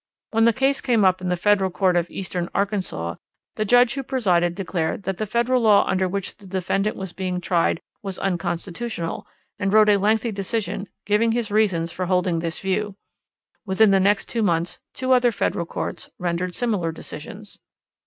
When the case came up in the Federal Court of Eastern Arkansas, the judge who presided declared that the federal law under which the defendant was being tried was unconstitutional, and wrote a lengthy decision, giving his reasons for holding this view. Within the next two months two other federal courts rendered similar decisions.